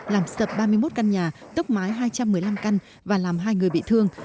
làm sập ba mươi một căn nhà tốc mái hai trăm một mươi năm căn và làm hai người bị thương